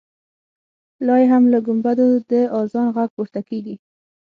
لا یې هم له ګمبدو د اذان غږ پورته کېږي.